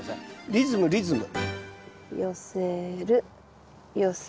リズムリズム。